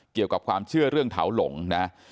เกี่ยวกับความเชื่อเรื่องเถาหลงนะ